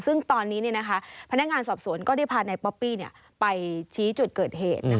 ซึ่งตอนนี้พนักงานสอบสวนก็ได้พานายป๊อปปี้ไปชี้จุดเกิดเหตุ